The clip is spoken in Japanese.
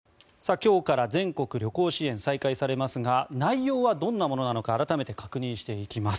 今日から全国旅行支援が再開されますが内容はどんなものなのか改めて確認していきます。